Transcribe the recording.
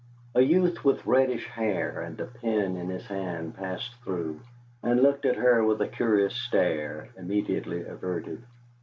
A youth with reddish hair and a pen in his hand passed through and looked at her with a curious stare immediately averted.